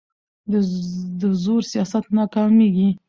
د زور سیاست ناکامېږي